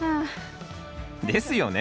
ですよね。